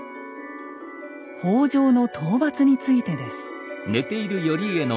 「北条の討伐」についてです。